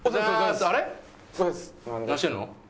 何してんの？